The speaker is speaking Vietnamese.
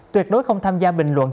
tuyệt đối không tham gia bình luận